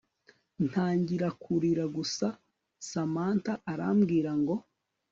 ntangira kurira gusa samantha arambwira ngo